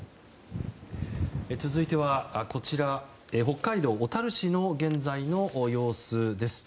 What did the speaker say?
続いては北海道小樽市の現在の様子です。